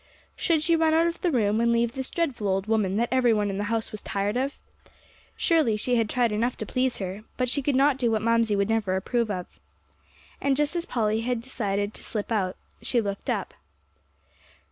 Should she run out of the room, and leave this dreadful old woman that every one in the house was tired of? Surely she had tried enough to please her, but she could not do what Mamsie would never approve of. And just as Polly had about decided to slip out, she looked up.